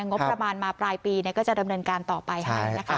งบประมาณมาปลายปีก็จะดำเนินการต่อไปให้นะคะ